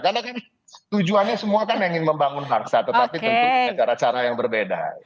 karena kan tujuannya semua kan ingin membangun bangsa tetapi tentu secara cara yang berbeda